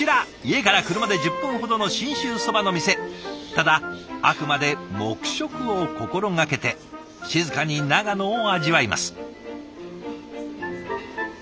ただあくまで黙食を心掛けて静かに長野を味わいます。